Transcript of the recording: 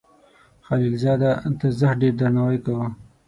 خلیل زاده ته زښت ډیر درناوی کاو.